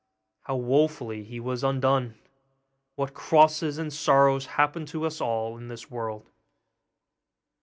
how woefully he was undone! what crosses and sorrows happen to us all in this world!